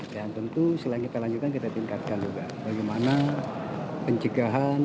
dan tentu selain kita lanjutkan kita tingkatkan juga bagaimana penjagaan